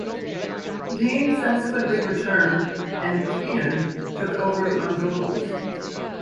Dean subsequently returned and Keenan took over on vocals.